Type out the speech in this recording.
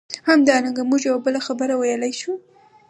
همدارنګه موږ یوه بله خبره ویلای شو.